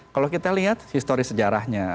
kalau kita lihat historis sejarahnya